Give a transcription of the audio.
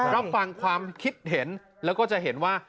รับฟังความคิดเห็นแล้วก็จะเห็นว่า